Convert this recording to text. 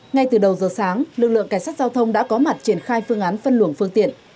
ngay từ đầu giờ sáng lực lượng cảnh sát giao thông đã có mặt triển khai phương án phân luồng phương tiện